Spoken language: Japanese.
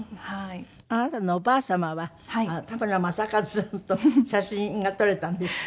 あなたのおばあ様は田村正和さんと写真が撮れたんですって？